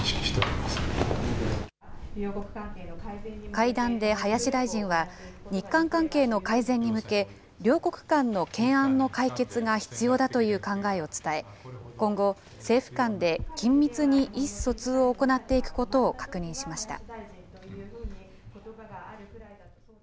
会談で林大臣は、日韓関係の改善に向け、両国間の懸案の解決が必要だという考えを伝え、今後、政府間で緊密に意思疎通を行っていくことを確認しました。